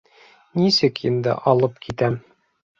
— Нисек инде алып китәм?